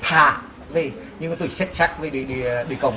thả vậy nhưng mà tôi xét chắc với địa cộng